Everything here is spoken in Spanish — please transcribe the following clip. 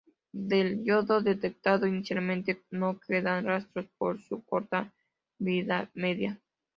Del yodo detectado inicialmente no quedan rastros por su corta vida media.